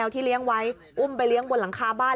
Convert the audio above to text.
ที่เลี้ยงไว้อุ้มไปเลี้ยงบนหลังคาบ้าน